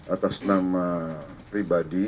atas nama pribadi